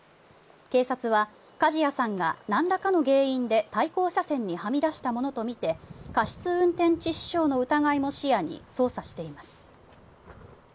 警察は梶谷さんがなんらかの原因で対向車線にはみ出したものとみて過失運転致死傷の疑いも視野に捜査しています。